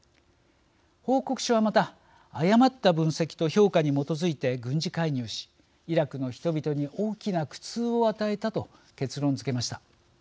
報告書はまた誤った分析と評価に基づいて軍事介入し、イラクの人々に大きな苦痛を与えたと結論づけました。